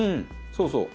そうそう。